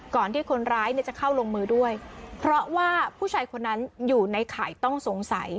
ที่คนร้ายเนี่ยจะเข้าลงมือด้วยเพราะว่าผู้ชายคนนั้นอยู่ในข่ายต้องสงสัย